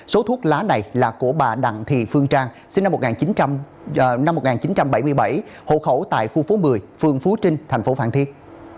số thuốc lá này là của bà đặng thị phương trang sinh năm một nghìn chín trăm bảy mươi bảy hộ khẩu tại khu phố một mươi phường phú trinh thành phố phan thiết